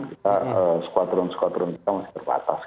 kita squadron squadron kita masih terbatas